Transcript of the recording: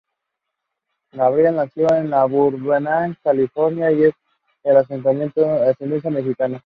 Gabriel nació en Burbank, California, y es de ascendencia mexicana.